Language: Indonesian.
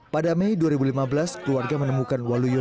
pada mei dua ribu lima belas keluarga menemukan waluyo